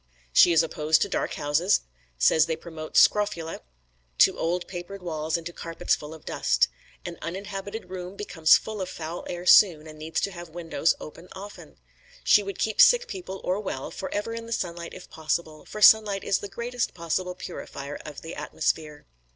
She is opposed to dark houses; says they promote scrofula; to old papered walls and to carpets full of dust. An uninhabited room becomes full of foul air soon, and needs to have the windows open often. She would keep sick people, or well, forever in the sunlight if possible, for sunlight is the greatest possible purifier of the atmosphere.